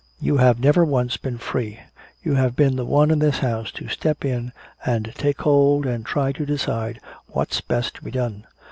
You have never once been free. You have been the one in this house to step in and take hold and try to decide what's best to be done.